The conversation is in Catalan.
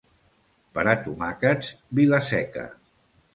Per a tomàquets, Vila-seca.